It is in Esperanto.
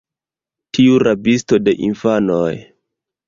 tiu rabisto de infanoj!